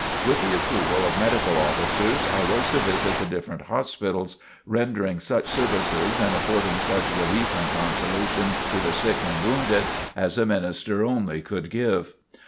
With the approval of Medical Officers, I was to visit the different hospitals, rendering such services and affording such relief and consolation to the sick and wounded as a minister only could give.